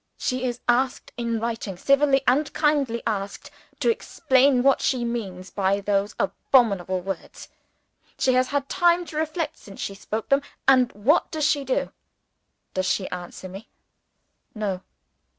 She is asked in writing, civilly and kindly asked, to explain what she means by those abominable words? She has had time to reflect since she spoke them; and what does she do? Does she answer me? No!